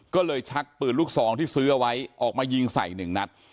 ก็เลยชักปืนลูกซองที่ซื้อเอาไว้ออกมายิงใส่หนึ่งนัด